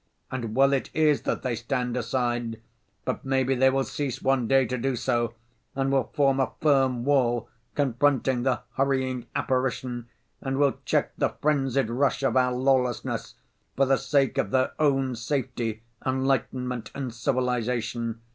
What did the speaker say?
And well it is that they stand aside, but maybe they will cease one day to do so and will form a firm wall confronting the hurrying apparition and will check the frenzied rush of our lawlessness, for the sake of their own safety, enlightenment and civilization.